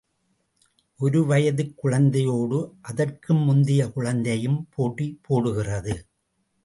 ஒரு வயதுக் குழந்தையோடு அதற்கும் முந்திய குழந்தையும் போட்டி போடுகிறது.